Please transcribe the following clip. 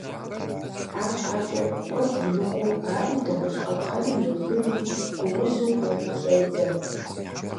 АрщхьэкӀэ, куэд имыкӀуу ари дыгъужь къапхъэным еубыдри гуузу къугъыу щӀедзэ.